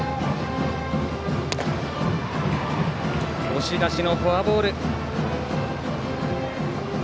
押し出しのフォアボール。